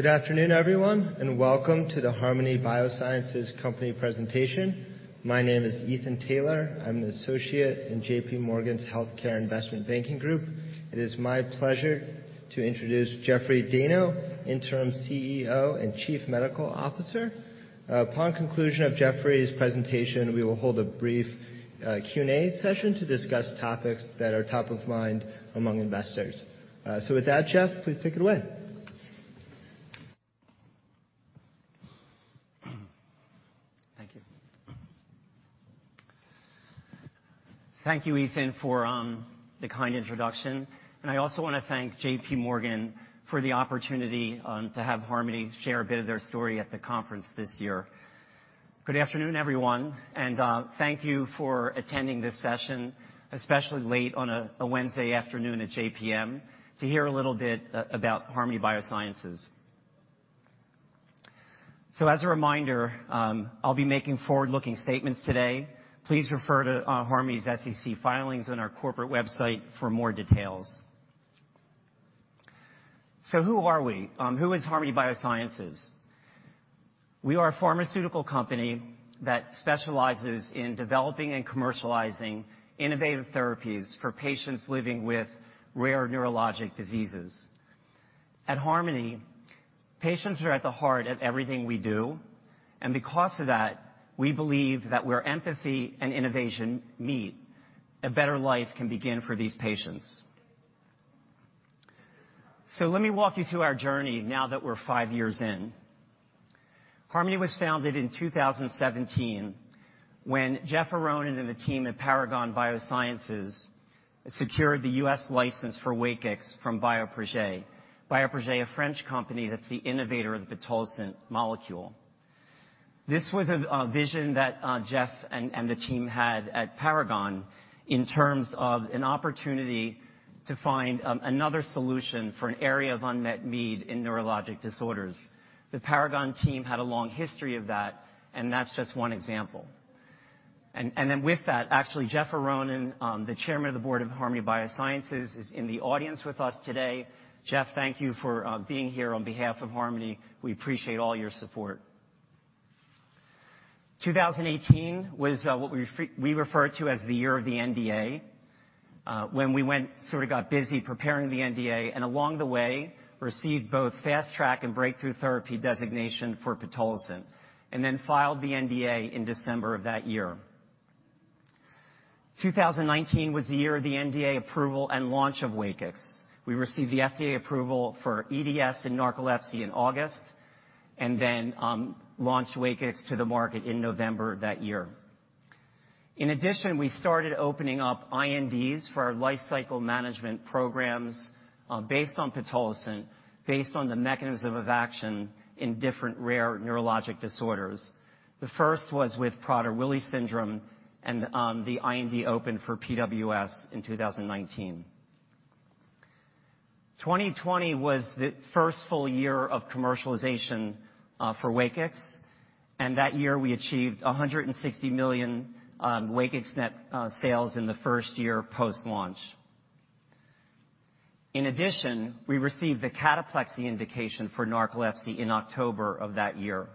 Good afternoon, everyone, and welcome to the Harmony Biosciences company presentation. My name is Ethan Taylor. I'm an associate in JPMorgan's Healthcare Investment Banking group. It is my pleasure to introduce Jeffrey Dayno, Interim CEO and Chief Medical Officer. Upon conclusion of Jeffrey's presentation, we will hold a brief Q&A session to discuss topics that are top of mind among investors. With that, Jeff, please take it away. Thank you. Thank you, Ethan, for the kind introduction. I also wanna thank JPMorgan for the opportunity to have Harmony share a bit of their story at the conference this year. Good afternoon, everyone, and thank you for attending this session, especially late on a Wednesday afternoon at JPM, to hear a little bit about Harmony Biosciences. As a reminder, I'll be making forward-looking statements today. Please refer to Harmony's SEC filings and our corporate website for more details. Who are we? Who is Harmony Biosciences? We are a pharmaceutical company that specializes in developing and commercializing innovative therapies for patients living with rare neurologic diseases. At Harmony, patients are at the heart of everything we do, and because of that, we believe that where empathy and innovation meet, a better life can begin for these patients. Let me walk you through our journey now that we're five years in. Harmony was founded in 2017 when Jeff Aronin and the team at Paragon Biosciences secured the U.S. license for WAKIX from Bioprojet. Bioprojet, a French company that's the innovator of the pitolisant molecule. This was a vision that Jeff and the team had at Paragon in terms of an opportunity to find another solution for an area of unmet need in neurologic disorders. The Paragon team had a long history of that, and that's just one example. Then with that, actually, Jeff Aronin, the chairman of the board of Harmony Biosciences, is in the audience with us today. Jeff, thank you for being here on behalf of Harmony. We appreciate all your support. 2018 was what we refer to as the year of the NDA, when we went sort of got busy preparing the NDA, and along the way, received both Fast Track and Breakthrough Therapy designation for pitolisant, and then filed the NDA in December of that year. 2019 was the year of the NDA approval and launch of WAKIX. We received the FDA approval for EDS and narcolepsy in August, and then launched WAKIX to the market in November that year. In addition, we started opening up INDs for our lifecycle management programs, based on pitolisant, based on the mechanism of action in different rare neurologic disorders. The first was with Prader-Willi syndrome and the IND open for PWS in 2019. 2020 was the first full year of commercialization for WAKIX, and that year we achieved $160 million WAKIX net sales in the first year post-launch. In addition, we received the cataplexy indication for narcolepsy in October of that year.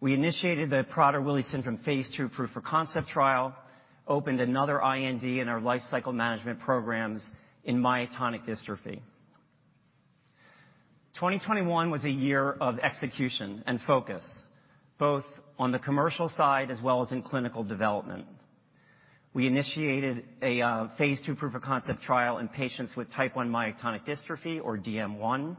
We initiated the Prader-Willi syndrome phase II proof of concept trial, opened another IND in our lifecycle management programs in myotonic dystrophy. 2021 was a year of execution and focus, both on the commercial side as well as in clinical development. We initiated a phase II proof of concept trial in patients with type 1 myotonic dystrophy or DM1.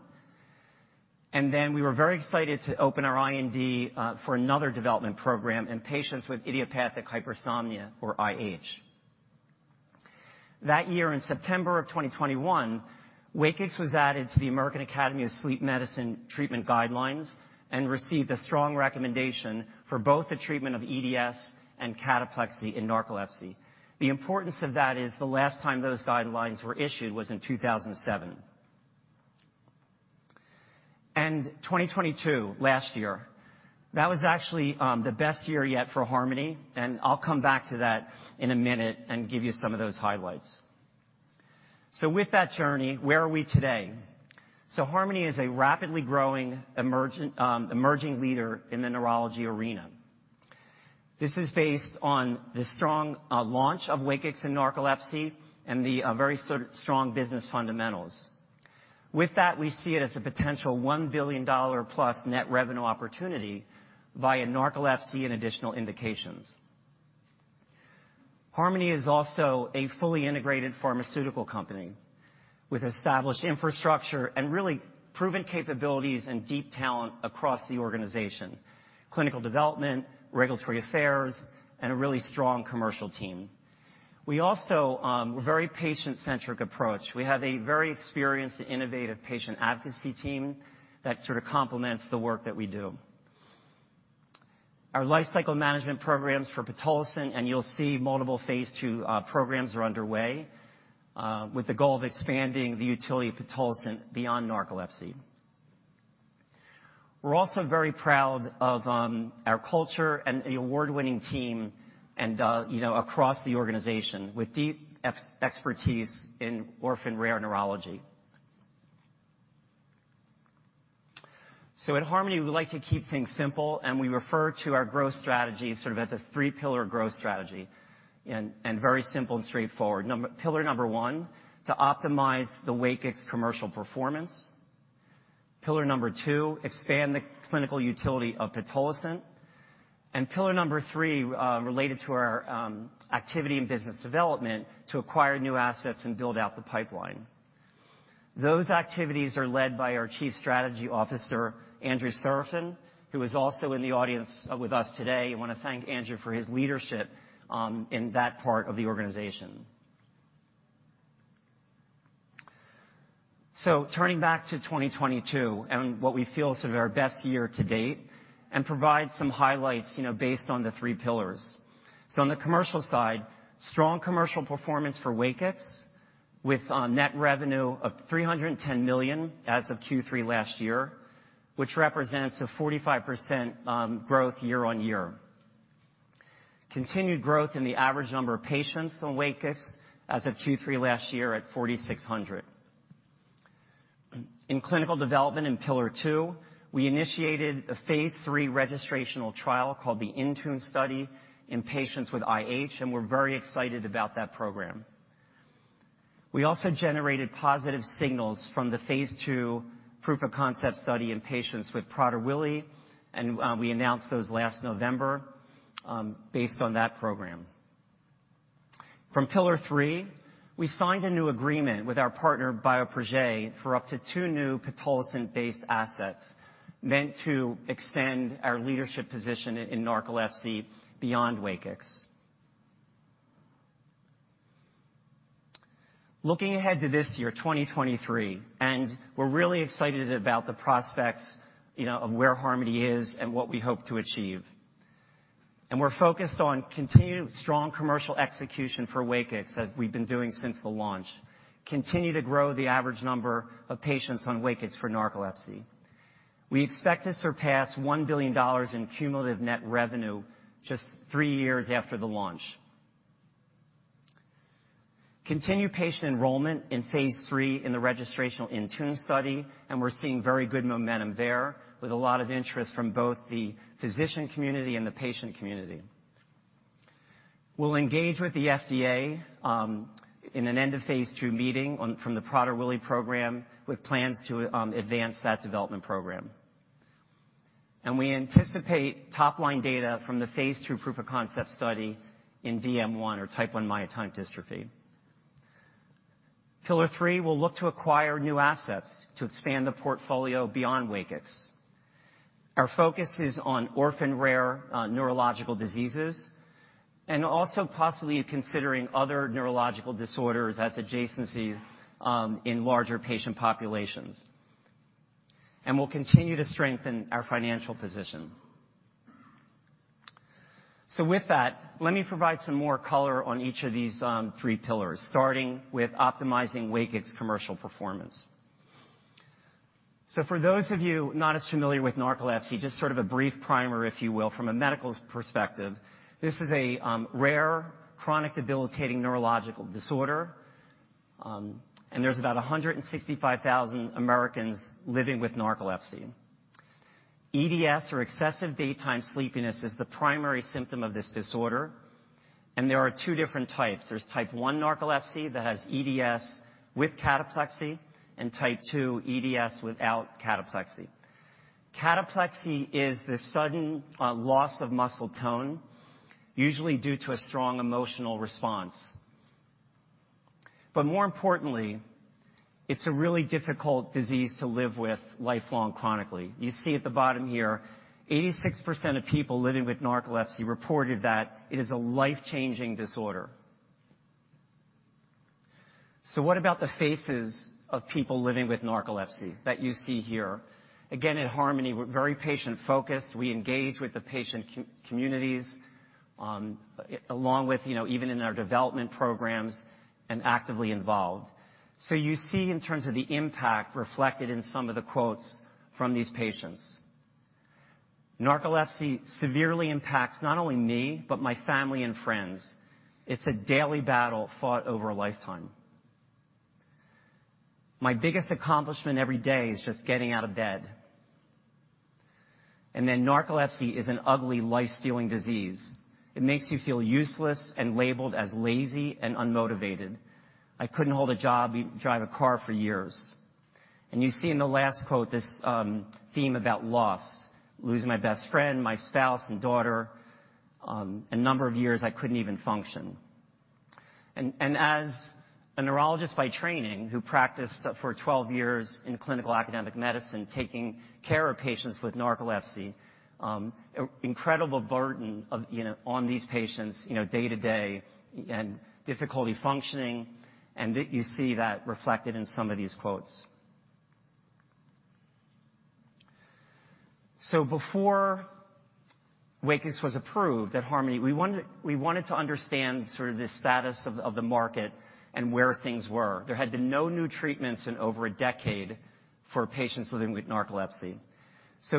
Then we were very excited to open our IND for another development program in patients with idiopathic hypersomnia or IH. That year, in September of 2021, WAKIX was added to the American Academy of Sleep Medicine treatment guidelines and received a strong recommendation for both the treatment of EDS and cataplexy in narcolepsy. The importance of that is the last time those guidelines were issued was in 2007. 2022, last year, that was actually the best year yet for Harmony, and I'll come back to that in a minute and give you some of those highlights. With that journey, where are we today? Harmony is a rapidly growing emergent, emerging leader in the neurology arena. This is based on the strong launch of WAKIX in narcolepsy and the very sort of strong business fundamentals. With that, we see it as a potential $1 billion plus net revenue opportunity via narcolepsy and additional indications. Harmony is also a fully integrated pharmaceutical company with established infrastructure and really proven capabilities and deep talent across the organization. Clinical development, regulatory affairs, a really strong commercial team. We also, we're very patient-centric approach. We have a very experienced innovative patient advocacy team that sort of complements the work that we do. Our lifecycle management programs for pitolisant, and you'll see multiple phase II programs are underway with the goal of expanding the utility of pitolisant beyond narcolepsy. We're also very proud of our culture and the award-winning team and, you know, across the organization with deep expertise in orphan rare neurology. At Harmony, we like to keep things simple, and we refer to our growth strategy sort of as a Three-Pillar Growth Strategy and very simple and straightforward. Pillar I, to Optimize the WAKIX Commercial Performance. Pillar II, Expand the Clinical Utility of Pitolisant. Pillar III, related to our activity and business development to acquire new assets and build out the pipeline. Those activities are led by our Chief Strategy Officer, Andrew Serafin, who is also in the audience with us today. I wanna thank Andrew for his leadership in that part of the organization. Turning back to 2022 and what we feel is sort of our best year to date and provide some highlights, you know, based on the Three-Pillars. On the commercial side, strong commercial performance for WAKIX with net revenue of $310 million as of Q3 last year, which represents a 45% growth year-on-year. Continued growth in the average number of patients on WAKIX as of Q3 last year at 4,600. In clinical development in Pillar II, we initiated a phase III registrational trial called the INTUNE Study in patients with IH. We're very excited about that program. We also generated positive signals from the phase II proof of concept study in patients with Prader-Willi. We announced those last November based on that program. From Pillar III, we signed a new agreement with our partner, Bioprojet, for up to two new pitolisant-based assets meant to extend our leadership position in narcolepsy beyond WAKIX. Looking ahead to this year, 2023, we're really excited about the prospects, you know, of where Harmony is and what we hope to achieve. We're focused on continued strong commercial execution for WAKIX as we've been doing since the launch. Continue to grow the average number of patients on WAKIX for narcolepsy. We expect to surpass $1 billion in cumulative net revenue just three years after the launch. Continue patient enrollment in phase III in the registrational INTUNE Study. We're seeing very good momentum there with a lot of interest from both the physician community and the patient community. We'll engage with the FDA in an end of phase II meeting from the Prader-Willi program with plans to advance that development program. We anticipate top-line data from the phase II proof of concept study in DM1 or type 1 myotonic dystrophy. Pillar III, we'll look to acquire new assets to expand the portfolio beyond WAKIX. Our focus is on orphan rare neurological diseases and also possibly considering other neurological disorders as adjacencies in larger patient populations. We'll continue to strengthen our financial position. With that, let me provide some more color on each of these Three-Pillars, starting with Optimizing WAKIX Commercial Performance. For those of you not as familiar with narcolepsy, just sort of a brief primer, if you will, from a medical perspective. This is a rare chronic debilitating neurological disorder, and there's about 165,000 Americans living with narcolepsy. EDS, or excessive daytime sleepiness, is the primary symptom of this disorder, and there are two different types. There's type 1 narcolepsy that has EDS with cataplexy and type 2 EDS without cataplexy. Cataplexy is the sudden loss of muscle tone, usually due to a strong emotional response. More importantly, it's a really difficult disease to live with lifelong chronically. You see at the bottom here, 86% of people living with narcolepsy reported that it is a life-changing disorder. What about the faces of people living with narcolepsy that you see here? Again, at Harmony, we're very patient-focused. We engage with the patient communities, along with, you know, even in our development programs and actively involved. You see in terms of the impact reflected in some of the quotes from these patients. "Narcolepsy severely impacts not only me, but my family and friends. It's a daily battle fought over a lifetime." "My biggest accomplishment every day is just getting out of bed." "Narcolepsy is an ugly, life-stealing disease. It makes you feel useless and labeled as lazy and unmotivated. I couldn't hold a job, even drive a car for years." You see in the last quote, this theme about loss. "Losing my best friend, my spouse, and daughter. A number of years, I couldn't even function." As a neurologist by training who practiced for 12 years in clinical academic medicine, taking care of patients with narcolepsy, incredible burden of, you know, on these patients, you know, day to day and difficulty functioning, and that you see that reflected in some of these quotes. Before WAKIX was approved at Harmony, we wanted to understand sort of the status of the market and where things were. There had been no new treatments in over a decade for patients living with narcolepsy.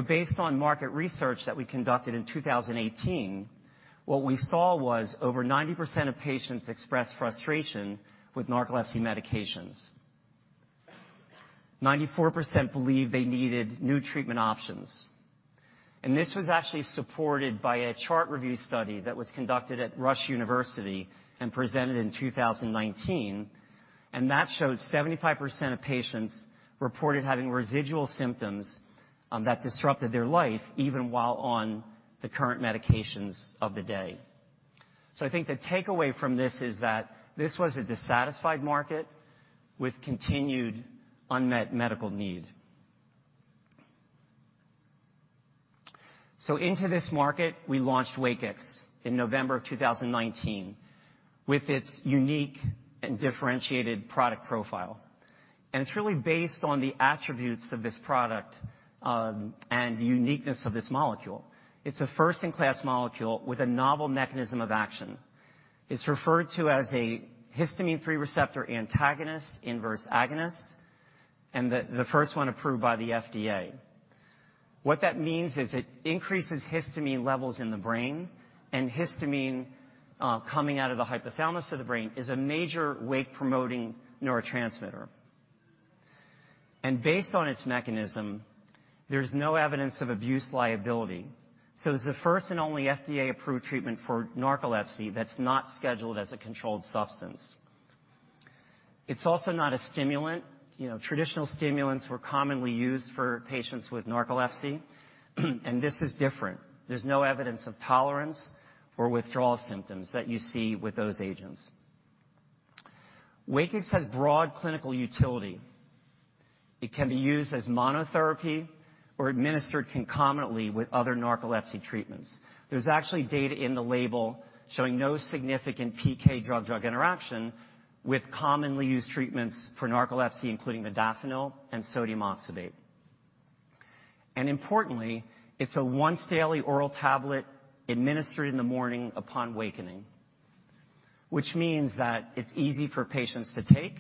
Based on market research that we conducted in 2018, what we saw was over 90% of patients expressed frustration with narcolepsy medications. 94% believed they needed new treatment options. This was actually supported by a chart review study that was conducted at Rush University and presented in 2019, and that showed 75% of patients reported having residual symptoms that disrupted their life even while on the current medications of the day. I think the takeaway from this is that this was a dissatisfied market with continued unmet medical need. Into this market, we launched WAKIX in November of 2019, with its unique and differentiated product profile. It's really based on the attributes of this product and the uniqueness of this molecule. It's a first-in-class molecule with a novel mechanism of action. It's referred to as a histamine H3 receptor antagonist/inverse agonist, and the first one approved by the FDA. What that means is it increases histamine levels in the brain. Histamine coming out of the hypothalamus of the brain is a major wake-promoting neurotransmitter. Based on its mechanism, there's no evidence of abuse liability. It's the first and only FDA-approved treatment for narcolepsy that's not scheduled as a controlled substance. It's also not a stimulant. You know, traditional stimulants were commonly used for patients with narcolepsy. This is different. There's no evidence of tolerance or withdrawal symptoms that you see with those agents. WAKIX has broad clinical utility. It can be used as monotherapy or administered concomitantly with other narcolepsy treatments. There's actually data in the label showing no significant PK drug-drug interaction with commonly used treatments for narcolepsy, including modafinil and sodium oxybate. Importantly, it's a once daily oral tablet administered in the morning upon wakening, which means that it's easy for patients to take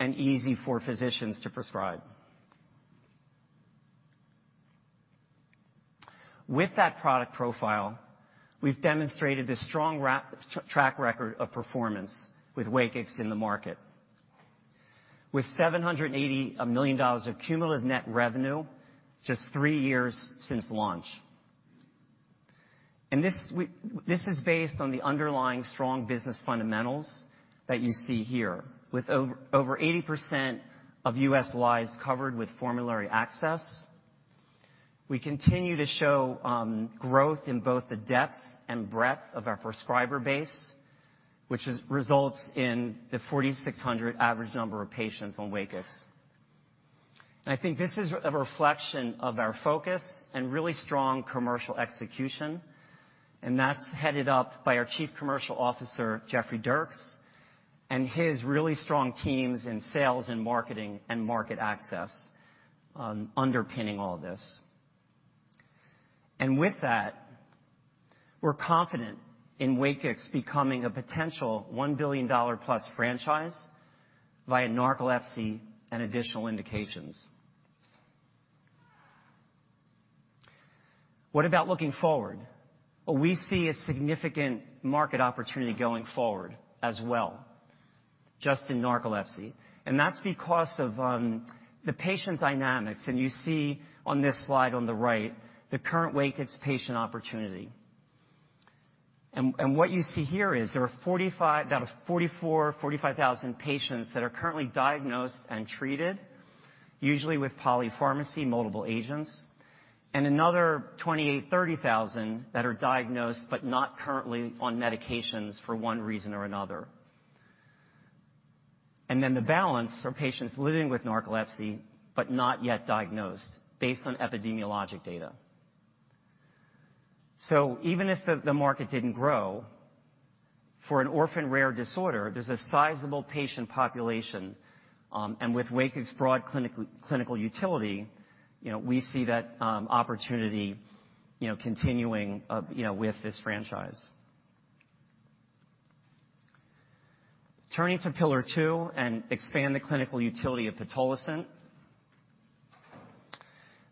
and easy for physicians to prescribe. With that product profile, we've demonstrated a strong track record of performance with WAKIX in the market. With $780 million of cumulative net revenue just three years since launch. This is based on the underlying strong business fundamentals that you see here. With over 80% of U.S. lives covered with formulary access, we continue to show growth in both the depth and breadth of our prescriber base, which results in the 4,600 average number of patients on WAKIX. I think this is a reflection of our focus and really strong commercial execution, and that's headed up by our Chief Commercial Officer, Jeffrey Dierks, and his really strong teams in sales and marketing and market access, underpinning all of this. With that, we're confident in WAKIX becoming a potential $1 billion-plus franchise via narcolepsy and additional indications. What about looking forward? Well, we see a significant market opportunity going forward as well, just in narcolepsy. That's because of the patient dynamics. You see on this slide on the right, the current WAKIX patient opportunity. What you see here is there are 44,000-45,000 patients that are currently diagnosed and treated, usually with polypharmacy, multiple agents, and another 28,000-30,000 that are diagnosed but not currently on medications for one reason or another. The balance are patients living with narcolepsy but not yet diagnosed based on epidemiologic data. Even if the market didn't grow for an orphan rare disorder, there's a sizable patient population, and with WAKIX's broad clinical utility, you know, we see that opportunity, you know, continuing, you know, with this franchise. Turning to Pillar II and Expand the Clinical Utility of Pitolisant.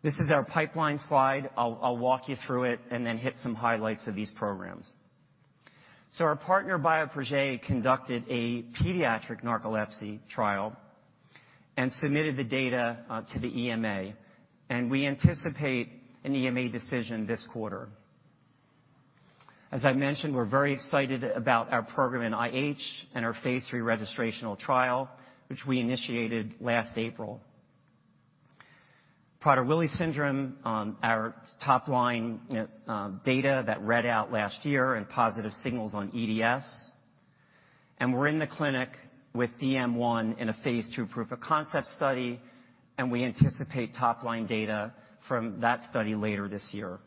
This is our pipeline slide. I'll walk you through it and then hit some highlights of these programs. Our partner, Bioprojet, conducted a pediatric narcolepsy trial and submitted the data to the EMA, and we anticipate an EMA decision this quarter. As I mentioned, we're very excited about our program in IH and our phase III registrational trial, which we initiated last April. Prader-Willi syndrome, our top line data that read out last year and positive signals on EDS. We're in the clinic with DM1 in a phase II proof of concept study, and we anticipate top-line data from that study later this year.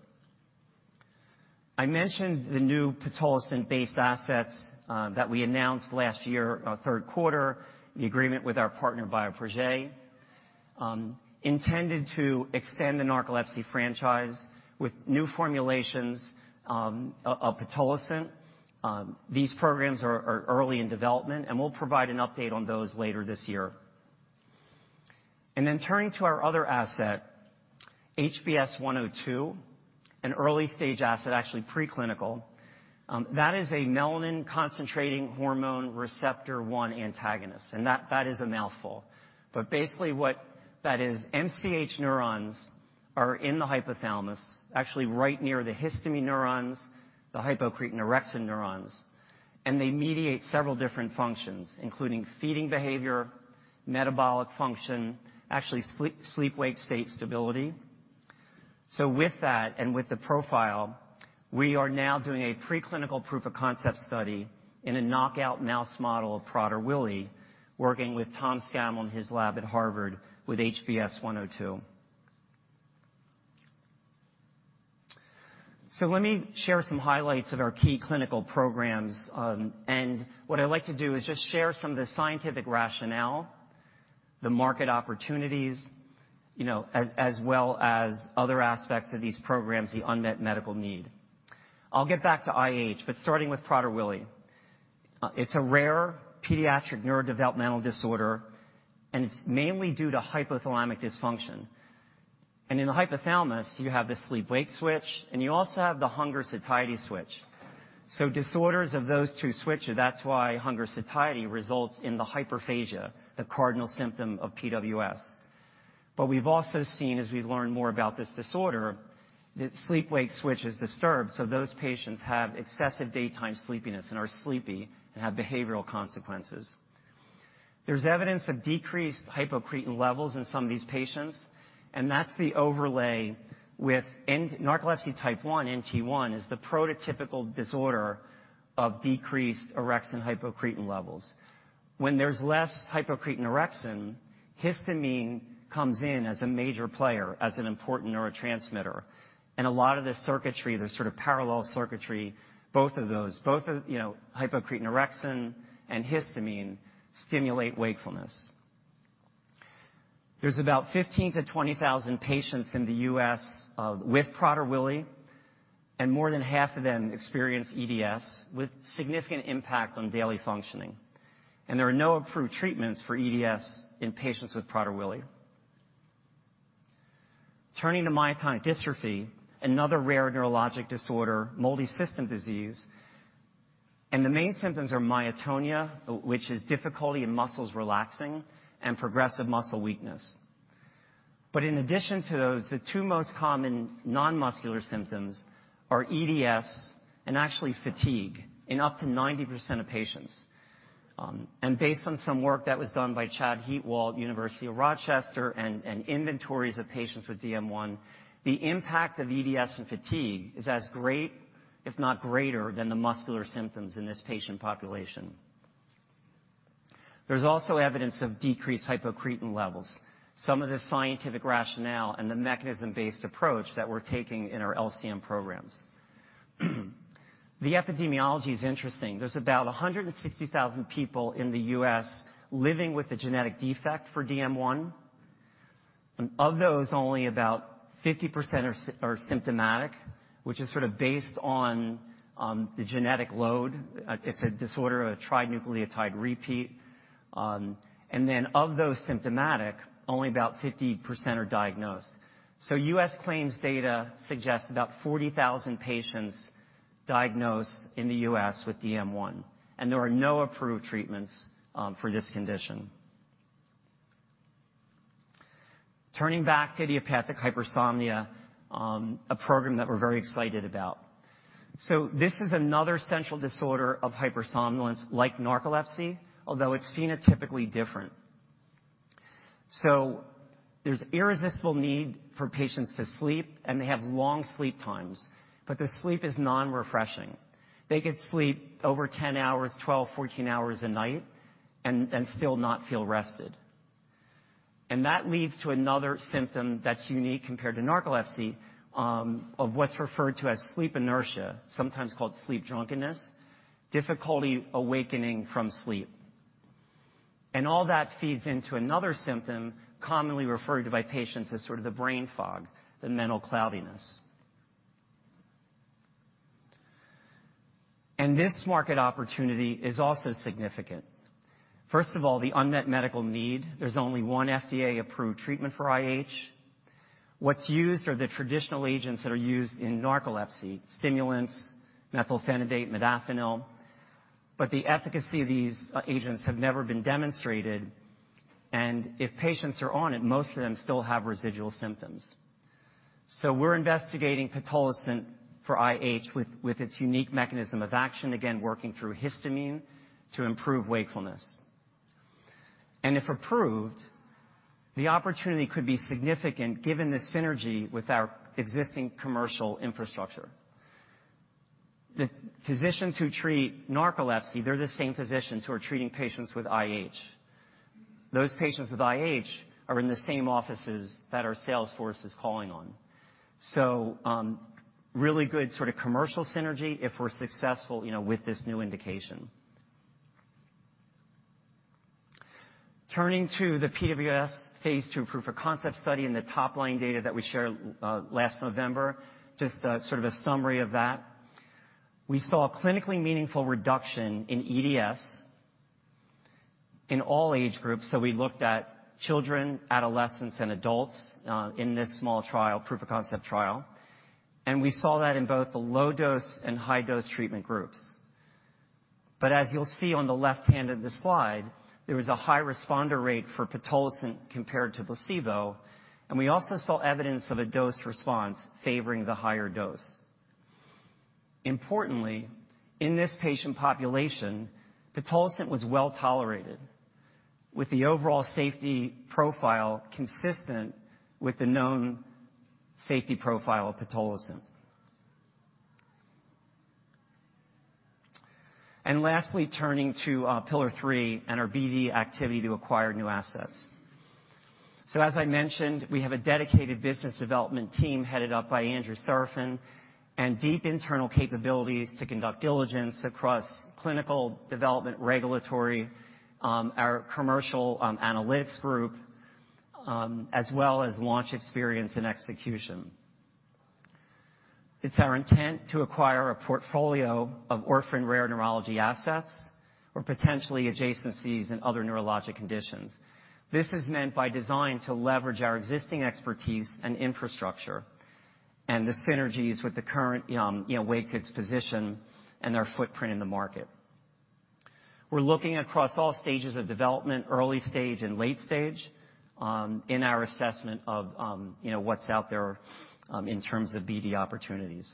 I mentioned the new pitolisant-based assets that we announced last year, third quarter, the agreement with our partner, Bioprojet. Intended to extend the narcolepsy franchise with new formulations of pitolisant. These programs are early in development, and we'll provide an update on those later this year. Turning to our other asset, HBS-102, an early-stage asset, actually preclinical, that is a melanin-concentrating hormone receptor 1 antagonist, and that is a mouthful. Basically what that is MCH neurons are in the hypothalamus, actually right near the histamine neurons, the hypocretin/orexin neurons. They mediate several different functions, including feeding behavior, metabolic function, actually sleep-wake state stability. With that and with the profile, we are now doing a preclinical proof of concept study in a knockout mouse model of Prader-Willi, working with Tom Scammell in his lab at Harvard with HBS-102. Let me share some highlights of our key clinical programs. What I'd like to do is just share some of the scientific rationale, the market opportunities, you know, as well as other aspects of these programs, the unmet medical need. I'll get back to IH, starting with Prader-Willi. It's a rare pediatric neurodevelopmental disorder, it's mainly due to hypothalamic dysfunction. In the hypothalamus you have the sleep-wake switch, and you also have the hunger-satiety switch. Disorders of those two switches, that's why hunger-satiety results in the hyperphagia, the cardinal symptom of PWS. We've also seen, as we learn more about this disorder, that sleep-wake switch is disturbed, so those patients have excessive daytime sleepiness and are sleepy and have behavioral consequences. There's evidence of decreased hypocretin levels in some of these patients, and that's the overlay with narcolepsy type 1, NT1, is the prototypical disorder of decreased orexin/hypocretin levels. When there's less hypocretin/orexin, histamine comes in as a major player, as an important neurotransmitter. A lot of the circuitry, the sort of parallel circuitry, both of those, both of, you know, hypocretin/orexin and histamine stimulate wakefulness. There's about 15,000-20,000 patients in the U.S. with Prader-Willi, and more than half of them experience EDS with significant impact on daily functioning. There are no approved treatments for EDS in patients with Prader-Willi. Turning to myotonic dystrophy, another rare neurologic disorder, multisystem disease, and the main symptoms are myotonia, which is difficulty in muscles relaxing and progressive muscle weakness. In addition to those, the two most common non-muscular symptoms are EDS and actually fatigue in up to 90% of patients. Based on some work that was done by Chad Heatwole at University of Rochester and inventories of patients with DM1, the impact of EDS and fatigue is as great, if not greater, than the muscular symptoms in this patient population. There's also evidence of decreased hypocretin levels, some of the scientific rationale and the mechanism-based approach that we're taking in our LCM programs. The epidemiology is interesting. There's about 160,000 people in the U.S. living with a genetic defect for DM1. Of those, only about 50% are symptomatic, which is sort of based on the genetic load. It's a disorder of a trinucleotide repeat. Of those symptomatic, only about 50% are diagnosed. US claims data suggests about 40,000 patients diagnosed in the US with DM1, and there are no approved treatments for this condition. Turning back to idiopathic hypersomnia, a program that we're very excited about. This is another central disorder of hypersomnolence like narcolepsy, although it's phenotypically different. There's irresistible need for patients to sleep, and they have long sleep times, but the sleep is non-refreshing. They could sleep over 10 hours, 12 hours, 14 hours a night and still not feel rested. That leads to another symptom that's unique compared to narcolepsy, of what's referred to as sleep inertia, sometimes called sleep drunkenness, difficulty awakening from sleep. All that feeds into another symptom, commonly referred to by patients as sort of the brain fog, the mental cloudiness. This market opportunity is also significant. First of all, the unmet medical need. There's only one FDA-approved treatment for IH. What's used are the traditional agents that are used in narcolepsy, stimulants, methylphenidate, modafinil. The efficacy of these, agents have never been demonstrated, and if patients are on it, most of them still have residual symptoms. We're investigating pitolisant for IH with its unique mechanism of action, again, working through histamine to improve wakefulness. If approved, the opportunity could be significant given the synergy with our existing commercial infrastructure. The physicians who treat narcolepsy, they're the same physicians who are treating patients with IH. Those patients with IH are in the same offices that our sales force is calling on. Really good sort of commercial synergy if we're successful, you know, with this new indication. Turning to the PWS phase II proof-of-concept study and the top-line data that we shared last November, just a sort of a summary of that. We saw a clinically meaningful reduction in EDS in all age groups. We looked at children, adolescents, and adults in this small trial, proof-of-concept trial. We saw that in both the low-dose and high-dose treatment groups. As you'll see on the left-hand of this slide, there was a high responder rate for pitolisant compared to placebo, and we also saw evidence of a dose response favoring the higher dose. Importantly, in this patient population, pitolisant was well tolerated, with the overall safety profile consistent with the known safety profile of pitolisant. Lastly, turning to Pillar III and our BD activity to acquire new assets. As I mentioned, we have a dedicated business development team headed up by Andrew Serafin and deep internal capabilities to conduct diligence across clinical development, regulatory, our commercial analytics group, as well as launch experience and execution. It's our intent to acquire a portfolio of orphan rare neurology assets or potentially adjacencies in other neurologic conditions. This is meant by design to leverage our existing expertise and infrastructure and the synergies with the current, you know, WAKIX position and our footprint in the market. We're looking across all stages of development, early stage and late stage, in our assessment of, you know, what's out there, in terms of BD opportunities.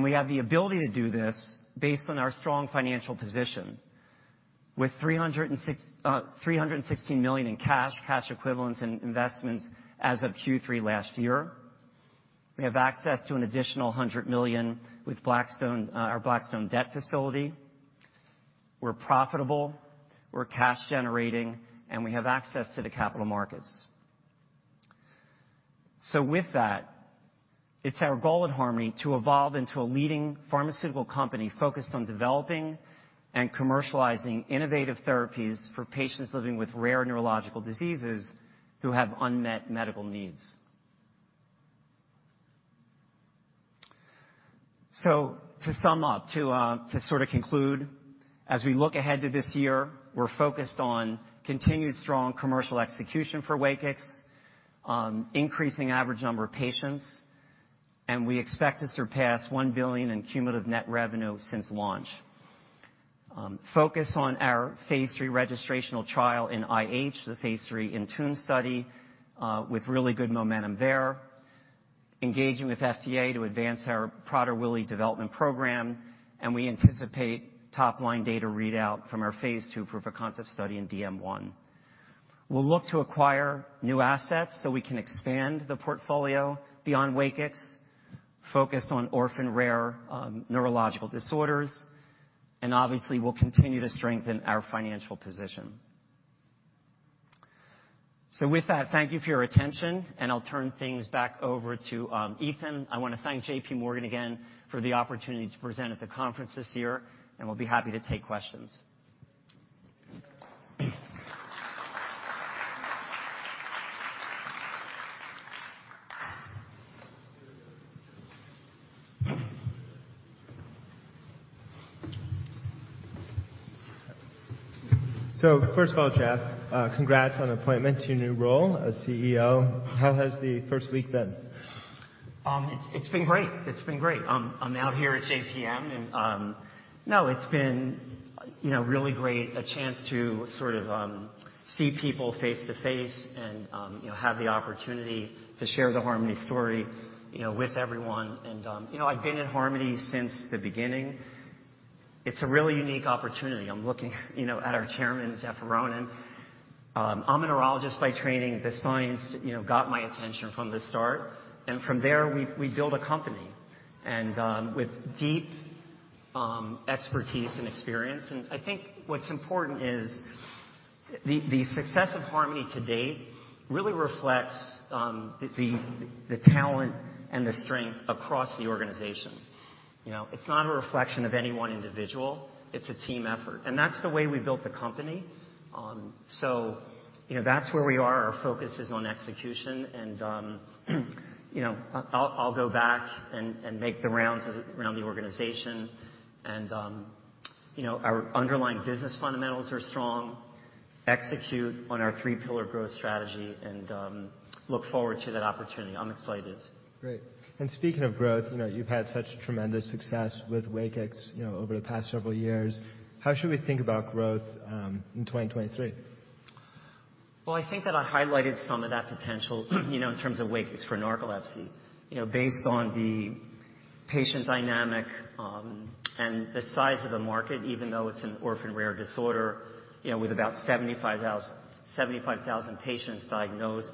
We have the ability to do this based on our strong financial position. With $316 million in cash equivalents, and investments as of Q3 last year, we have access to an additional $100 million with Blackstone, our Blackstone debt facility. We're profitable, we're cash generating, and we have access to the capital markets. With that, it's our goal at Harmony to evolve into a leading pharmaceutical company focused on developing and commercializing innovative therapies for patients living with rare neurological diseases who have unmet medical needs. To sum up, to sort of conclude, as we look ahead to this year, we're focused on continued strong commercial execution for WAKIX, increasing average number of patients, and we expect to surpass $1 billion in cumulative net revenue since launch. Focus on our phase III registrational trial in IH, the phase III INTUNE Study, with really good momentum there. Engaging with FDA to advance our Prader-Willi development program, and we anticipate top-line data readout from our phase II proof of concept study in DM1. We'll look to acquire new assets, so we can expand the portfolio beyond WAKIX, focused on orphan rare neurological disorders, and obviously we'll continue to strengthen our financial position. With that, thank you for your attention, and I'll turn things back over to Ethan. I wanna thank JPMorgan again for the opportunity to present at the conference this year, and we'll be happy to take questions. First of all, Jeff, congrats on appointment to your new role as CEO. How has the first week been? It's, it's been great. It's been great. I'm out here at JPM. No, it's been, you know, really great, a chance to sort of see people face-to-face, you know, have the opportunity to share the Harmony story, you know, with everyone. You know, I've been at Harmony since the beginning. It's a really unique opportunity. I'm looking, you know, at our chairman, Jeff Aronin. I'm a neurologist by training. The science, you know, got my attention from the start. From there, we build a company with deep expertise and experience. I think what's important is the success of Harmony to date really reflects the talent and the strength across the organization. You know, it's not a reflection of any one individual. It's a team effort. That's the way we built the company. You know, that's where we are. Our focus is on execution and, you know, I'll go back and make the rounds around the organization and, you know, our underlying business fundamentals are strong, execute on our Three-Pillar Growth Strategy and look forward to that opportunity. I'm excited. Great. Speaking of growth, you know, you've had such tremendous success with WAKIX, you know, over the past several years. How should we think about growth in 2023? I think that I highlighted some of that potential, you know, in terms of WAKIX for narcolepsy. You know, based on the patient dynamic, and the size of the market, even though it's an orphan rare disorder, you know, with about 75,000 patients diagnosed,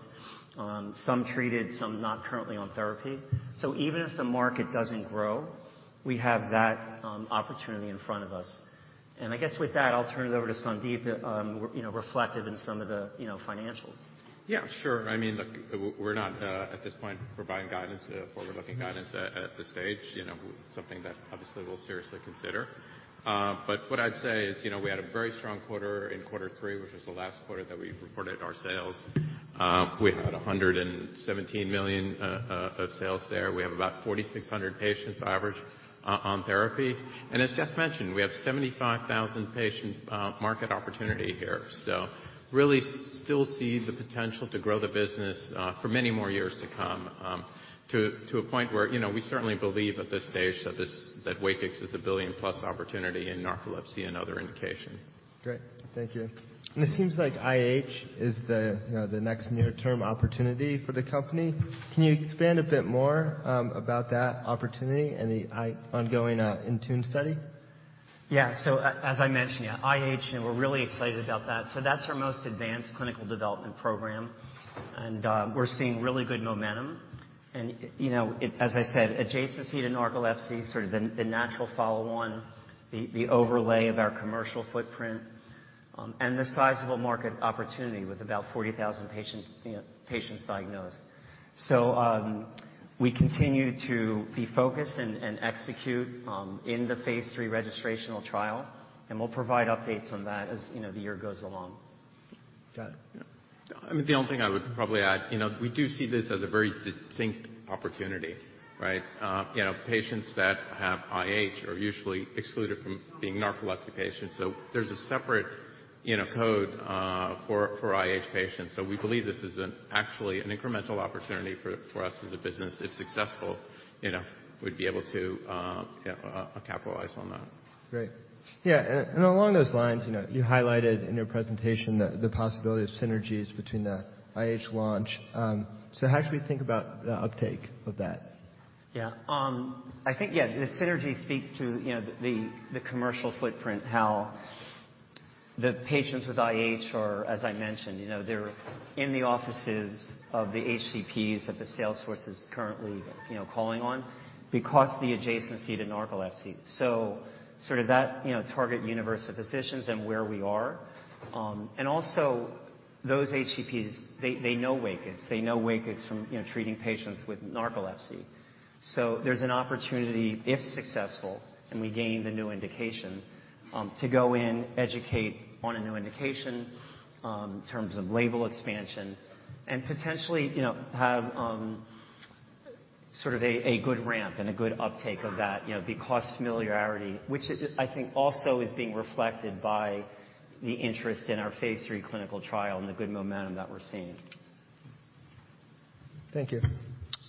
some treated, some not currently on therapy. Even if the market doesn't grow, we have that opportunity in front of us. I guess with that, I'll turn it over to Sandip, you know, reflected in some of the, you know, financials. Yeah, sure. I mean, look, we're not at this point providing guidance, forward-looking guidance at this stage. You know, something that obviously we'll seriously consider. What I'd say is, you know, we had a very strong quarter in quarter three, which was the last quarter that we reported our sales. We had $117 million of sales there. We have about 4,600 patients average on therapy. As Jeff mentioned, we have 75,000 patient market opportunity here. Really still see the potential to grow the business for many more years to come, to a point where, you know, we certainly believe at this stage that WAKIX is a billion-plus opportunity in narcolepsy and other indication. Great. Thank you. It seems like IH is the, you know, the next near-term opportunity for the company. Can you expand a bit more about that opportunity and the ongoing INTUNE Study? Yeah. As I mentioned, yeah, IH, you know, we're really excited about that. That's our most advanced clinical development program, and we're seeing really good momentum. You know, As I said, adjacency to narcolepsy, sort of the natural follow on, the overlay of our commercial footprint, and the sizable market opportunity with about 40,000 patients, you know, patients diagnosed. We continue to be focused and execute in the phase III registrational trial, and we'll provide updates on that as, you know, the year goes along. Got it. I mean, the only thing I would probably add, you know, we do see this as a very distinct opportunity, right. You know, patients that have IH are usually excluded from being narcolepsy patients. There's a separate, you know, code for IH patients. We believe this is an actually an incremental opportunity for us as a business. If successful, you know, we'd be able to, you know, capitalize on that. Great. Yeah. Along those lines, you know, you highlighted in your presentation the possibility of synergies between the IH launch. How should we think about the uptake of that? Yeah. I think, yeah, the synergy speaks to, you know, the commercial footprint, how the patients with IH are, as I mentioned, you know, they're in the offices of the HCPs that the sales force is currently, you know, calling on because the adjacency to narcolepsy. Sort of that, you know, target universe of physicians and where we are. Also those HCPs, they know WAKIX. They know WAKIX from, you know, treating patients with narcolepsy. There's an opportunity, if successful, and we gain the new indication, to go in, educate on a new indication, in terms of label expansion and potentially, you know, have, sort of a good ramp and a good uptake of that, you know, because familiarity, which I think also is being reflected by the interest in our phase III clinical trial and the good momentum that we're seeing. Thank you.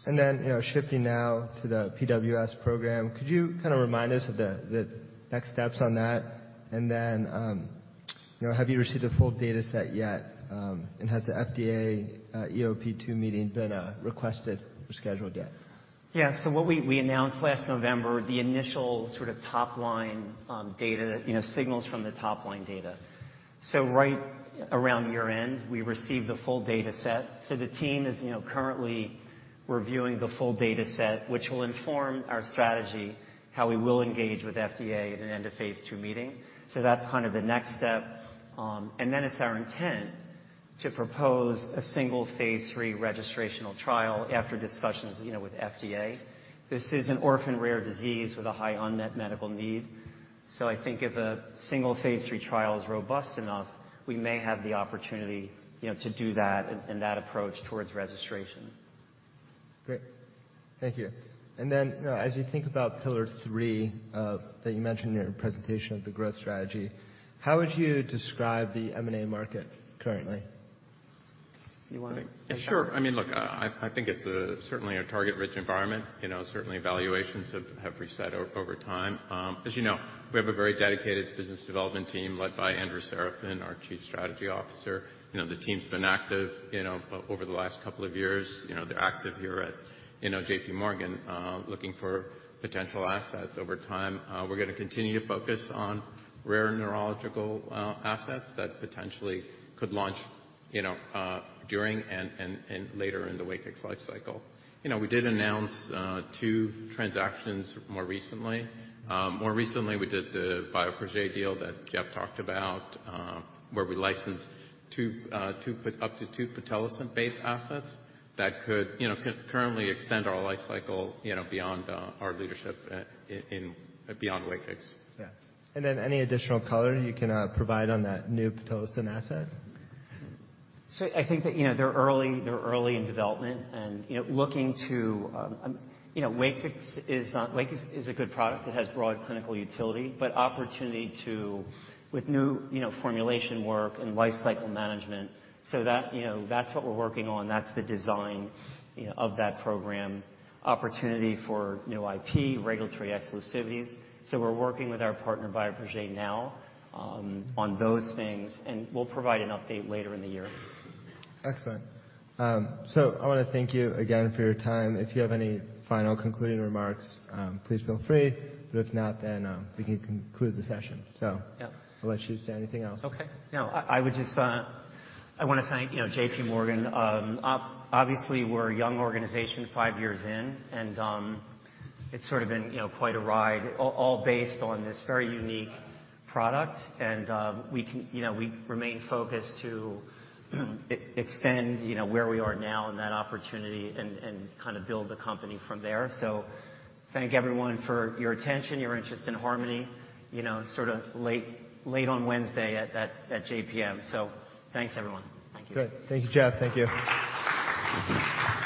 Then, you know, shifting now to the PWS program. Could you kind of remind us of the next steps on that? Then, you know, have you received a full dataset yet, and has the FDA, EOP2 meeting been requested or scheduled yet? Yeah. What we announced last November, the initial sort of top line data, you know, signals from the top line data. Right around year-end, we received the full dataset. The team is, you know, currently reviewing the full dataset, which will inform our strategy, how we will engage with FDA in an end of phase II meeting. That's kind of the next step. And then it's our intent to propose a single phase III registrational trial after discussions, you know, with FDA. This is an orphan rare disease with a high unmet medical need. I think if a single phase III trial is robust enough, we may have the opportunity, you know, to do that in that approach towards registration. Great. Thank you. You know, as you think about Pillar III, that you mentioned in your presentation of the growth strategy, how would you describe the M&A market currently? You wanna- Sure. I mean, look, I think it's certainly a target-rich environment. You know, certainly evaluations have reset over time. As you know, we have a very dedicated business development team led by Andrew Serafin, our Chief Strategy Officer. You know, the team's been active, you know, over the last couple of years. You know, they're active here at, you know, JPMorgan, looking for potential assets over time. We're gonna continue to focus on rare neurological assets that potentially could launch, you know, during and later in the WAKIX lifecycle. You know, we did announce 2 transactions more recently. More recently, we did the Bioprojet deal that Jeff talked about, where we licensed two... up to two pitolisant-based assets that could, you know, currently extend our lifecycle, you know, beyond our leadership in, beyond WAKIX. Yeah. Any additional color you can provide on that new pitolisant asset? I think that, you know, they're early in development and, you know, looking to. You know, WAKIX is a good product that has broad clinical utility, but opportunity to. With new, you know, formulation work and lifecycle management. That, you know, that's what we're working on. That's the design, you know, of that program. Opportunity for new IP, regulatory exclusivities. We're working with our partner, Bioprojet now, on those things, and we'll provide an update later in the year. Excellent. I wanna thank you again for your time. If you have any final concluding remarks, please feel free. If not, then, we can conclude the session. Yeah. I'll let you say anything else. Okay. No, I would just I wanna thank, you know, JPMorgan. Obviously, we're a young organization, five years in, and it's sort of been, you know, quite a ride all based on this very unique product. You know, we remain focused to extend, you know, where we are now and that opportunity and kind of build the company from there. Thank everyone for your attention, your interest in Harmony, you know, sort of late on Wednesday at JPM. Thanks, everyone. Thank you. Great. Thank you, Jeff. Thank you.